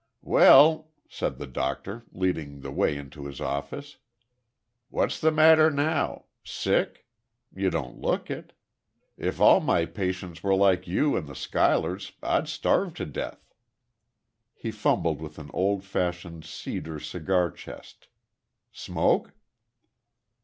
"Well," said the doctor, leading the way into his office. "What's the matter now. Sick? You don't look it. If all my patients were like you and the Schuylers, I'd starve to death." He fumbled with an old fashioned cedar cigar chest. "Smoke?"